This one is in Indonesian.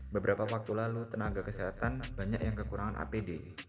beberapa waktu lalu tenaga kesehatan banyak yang kekurangan apd